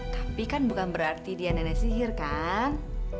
tapi kan bukan berarti dia nenek sihir kan